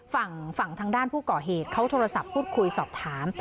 ฝั่งทางด้านผู้ก่อเหตุเขาโทรศัพท์พูดคุยสอบถาม